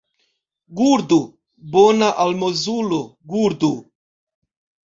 Gurdu, bona almozulo, gurdu!